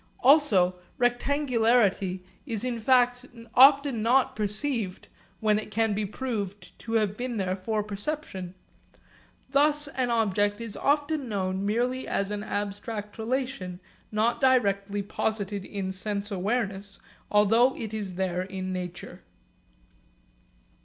Also rectangularity is in fact often not perceived when it can be proved to have been there for perception. Thus an object is often known merely as an abstract relation not directly posited in sense awareness although it is there in nature.